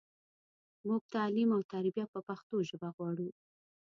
مونږ تعلیم او تربیه په پښتو ژبه غواړو